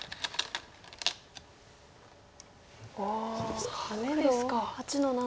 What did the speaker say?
おおハネですか。